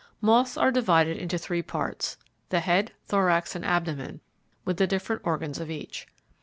Moths are divided into three parts, the head, thorax, and abdomen, with the different organs of each.